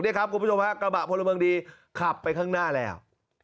นี่ครับคุณผู้ชมฮะกระบะพลเมืองดีขับไปข้างหน้าแล้ว